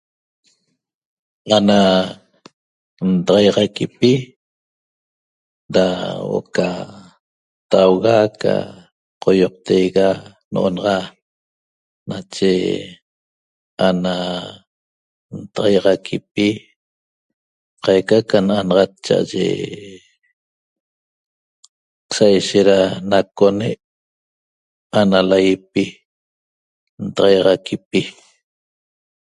Ana ntaxaiaxaquipi da huo'o ca tauga ca qoioqtega no'onaxa nache ana ntaxaiaxaquipi nache qaica ca na'anaxac chaye saishet ra nacone' ana laipi ntaxaiaxaquipi